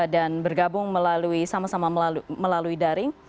dan bergabung melalui sama sama melalui daring